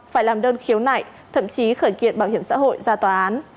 phải làm đơn khiếu nại thậm chí khởi kiện bảo hiểm xã hội ra tòa án